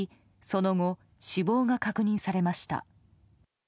その後、死亡が確認されました。